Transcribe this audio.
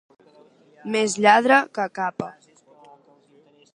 Més lladre que Capa.